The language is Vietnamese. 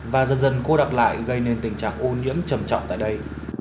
và dần dần cô đắp lại gây nên tình trạng ô nhiễm trầm trọng tại đây